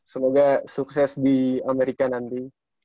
semoga sukses di amerika nanti